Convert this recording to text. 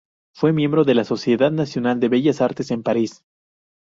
Fue miembro de la Sociedad Nacional de Bellas Artes en París.